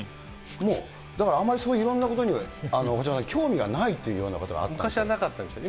もうだからあんまりいろんなことには、岡島さん、興味がないということだったんですね。